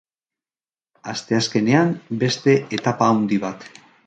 Asteazkenean, beste etapa handi bat.